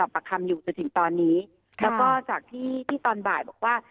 ประคำอยู่จนถึงตอนนี้แล้วก็จากที่ที่ตอนบ่ายบอกว่า